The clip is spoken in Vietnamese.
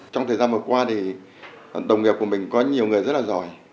trong thời gian vừa qua thì đồng nghiệp của mình có nhiều người rất là giỏi